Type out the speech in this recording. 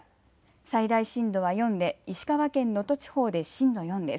最大震度は４で石川県能登地方で震度４です。